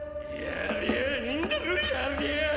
やりゃあいいんだろやりゃあ！